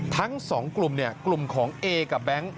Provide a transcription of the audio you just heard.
ทั้งสองกลุ่มกลุ่มของเอกับแบงค์